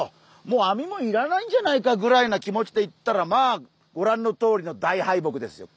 もう網もいらないんじゃないかぐらいの気持ちで行ったらまあご覧のとおりの大敗北ですよ。